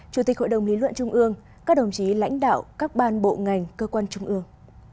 chủ tịch hội đồng lý luận trung ương các đồng chí lãnh đạo các ban bộ ngành cơ quan trung ương